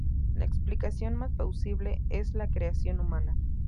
La explicación más plausible es la creación humana.